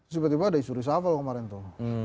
tiba tiba ada isyuri shafal kemarin tuh